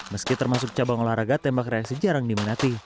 meski termasuk cabang olahraga tembak reaksi jarang diminati